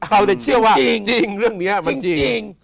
เราจะเชื่อว่าจริงเรื่องนี้มันจริง